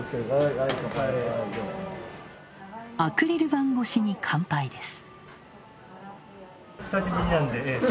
アクリル板越しに乾杯です。